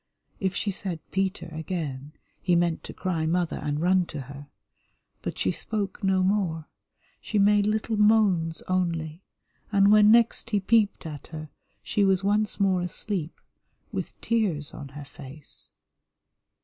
If she said "Peter" again, he meant to cry "Mother" and run to her. But she spoke no more, she made little moans only, and when next he peeped at her she was once more asleep, with tears on her face.